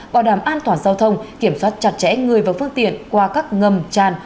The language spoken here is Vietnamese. bảo đảm an toàn giao thông kiểm soát chặt chẽ người và phương tiện qua các ngầm tràn